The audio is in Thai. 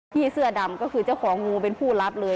เสื้อดำก็คือเจ้าของงูเป็นผู้รับเลย